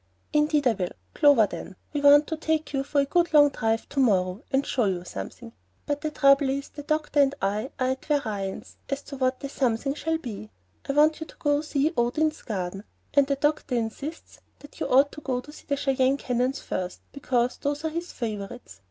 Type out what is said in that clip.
"Indeed I will, Clover, then, we want to take you for a good long drive to morrow, and show you something; but the trouble is, the doctor and I are at variance as to what the something shall be. I want you to see Odin's Garden; and the doctor insists that you ought to go to the Cheyenne canyons first, because those are his favorites.